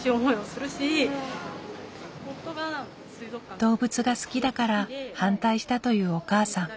動物が好きだから反対したというお母さん。